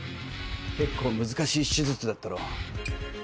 結構難しい手術だったろ？